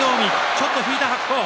ちょっと引いた白鵬。